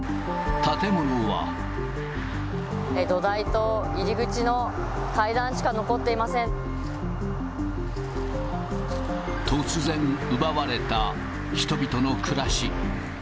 土台と入り口の階段しか残っ突然、奪われた人々の暮らし。